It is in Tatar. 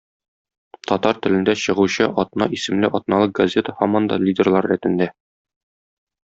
Татар телендә чыгучы "Атна" исемле атналык газета һаман да лидерлар рәтендә.